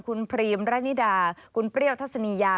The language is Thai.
คุณพรีมระนิดาคุณเปรี้ยวทัศนียา